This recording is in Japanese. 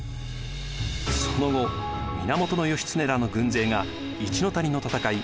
その後源義経らの軍勢が一の谷の戦い